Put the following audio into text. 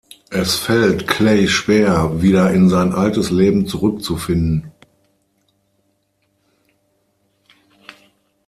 Es fällt Clay schwer, wieder in sein altes Leben zurückzufinden.